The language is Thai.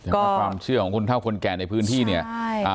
ก็ความเชื่อของคุณเท่าคนแก่ในพื้นที่เนี่ยใช่